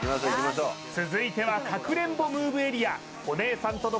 続いてはかくれんぼムーブエリア